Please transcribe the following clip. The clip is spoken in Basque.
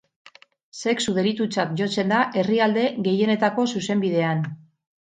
Sexu delitutzat jotzen da herrialde gehienetako zuzenbidean.